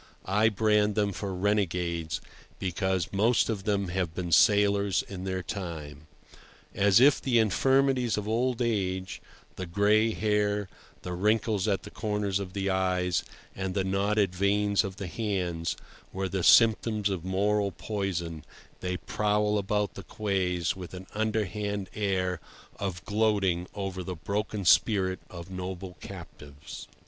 I brand them for renegades, because most of them have been sailors in their time. As if the infirmities of old age—the gray hair, the wrinkles at the corners of the eyes, and the knotted veins of the hands—were the symptoms of moral poison, they prowl about the quays with an underhand air of gloating over the broken spirit of noble captives.